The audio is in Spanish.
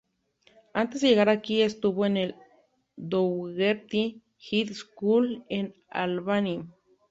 Antes de llegar aquí, estuvo en el Dougherty High School en Albany.